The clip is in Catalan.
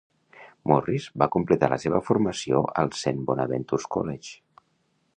Morris va completar la seva formació al Saint Bonaventure's College.